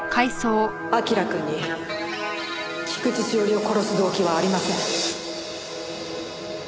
明君に菊地詩織を殺す動機はありません。